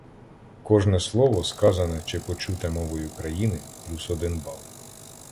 Кожне слово, сказане чи почуте мовою країни — плюс один бал